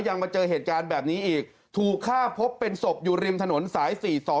มาเจอเหตุการณ์แบบนี้อีกถูกฆ่าพบเป็นศพอยู่ริมถนนสาย๔๒